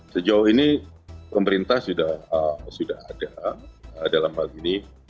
sejauh ini pemerintah sudah ada dalam hal ini